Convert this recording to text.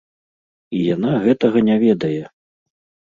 І яна гэтага не ведае!